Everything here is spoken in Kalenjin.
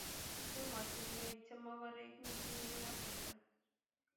emotinwek chemokorek mising eng Afrika